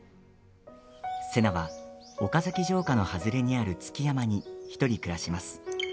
瀬名は岡崎城下のはずれにある築山に１人暮らします。